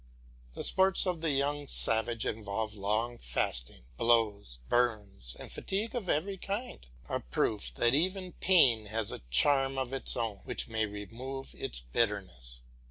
The sports of the young savage involve long fasting, blows, burns, and fatigue of every kind, a proof that even pain has a charm of its own, which may remove its bitterness.